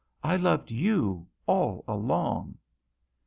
" I loved you all along."